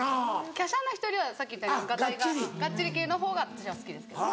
きゃしゃな人よりはさっき言ったようにがたいががっちり系の方が私は好きですけどね。